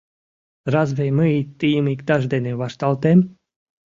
Разве мый тыйым иктаж дене вашталтем?